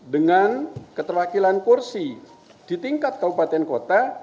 dengan keterwakilan kursi di tingkat kabupaten kota